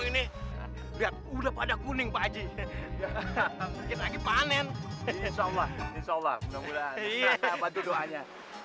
ini lihat udah pada kuning pak aji kita lagi panen insyaallah insyaallah mudah mudahan bantu doanya